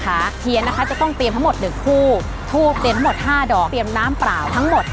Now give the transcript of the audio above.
เทียนนะคะจะต้องเตรียมทั้งหมดหนึ่งคู่ทูบเตรียมทั้งหมดห้าดอกเตรียมน้ำเปล่าทั้งหมด